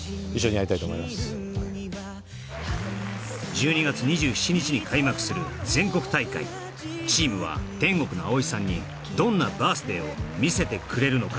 １２月２７日に開幕する全国大会チームは天国の青井さんにどんなバース・デイを見せてくれるのか？